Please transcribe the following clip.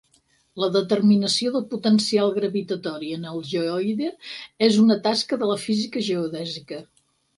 La determinació del potencial gravitatori en el geoide és una tasca de la física geodèsica.